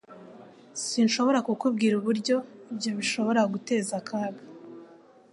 Sinshobora kukubwira uburyo ibyo bishobora guteza akaga